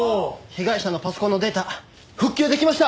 被害者のパソコンのデータ復旧できました。